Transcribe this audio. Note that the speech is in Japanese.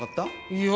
いや？